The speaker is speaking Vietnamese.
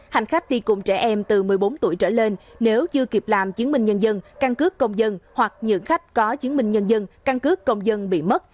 hành khách đi cùng trẻ em từ một mươi bốn tuổi trở lên nếu chưa kịp làm chứng minh nhân dân căn cước công dân hoặc những khách có chứng minh nhân dân căn cước công dân bị mất